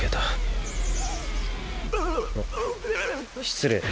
失礼。